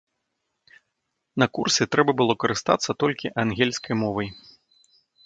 На курсе трэба было карыстацца толькі ангельскай мовай.